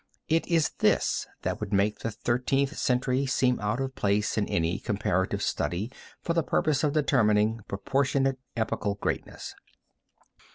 It is this that would make the Thirteenth Century seem out of place in any comparative study for the purpose of determining proportionate epochal greatness.